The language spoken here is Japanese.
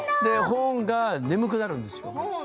本が眠くなるんですよ。